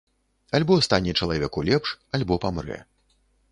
Альбо стане чалавеку лепш, альбо памрэ.